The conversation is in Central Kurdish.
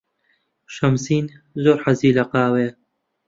شەمزین زۆر حەزی لە قاوەیە.